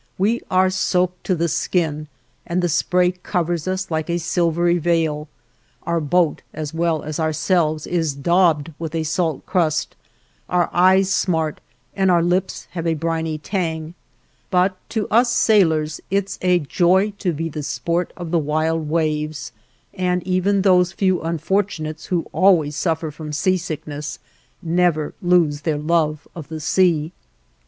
We are soaked to the skin, and the spray covers us like a silvery veil; our boat as well as ourselves is daubed with a salt crust, our eyes smart and our lips have a briny tang, but to us sailors it's a joy to be the sport of the wild waves, and even those few unfortunates who always suffer from sea sickness never lose their love of the sea.